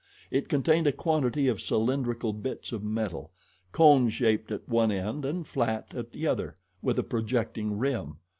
It contained a quantity of cylindrical bits of metal, cone shaped at one end and flat at the other, with a projecting rim.